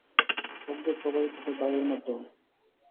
শব্দ প্রবাহিত হয় বায়ুর মাধ্যমে।